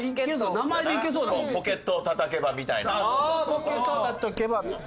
「ポケットをたたけば」みたいな。